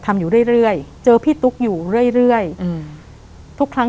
แต่ขอให้เรียนจบปริญญาตรีก่อน